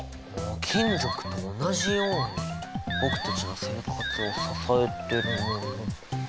金属と同じように僕たちの生活を支えてるもの。